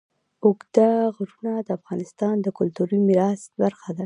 اوږده غرونه د افغانستان د کلتوري میراث برخه ده.